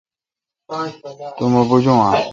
تو مہ بوجو اؘ۔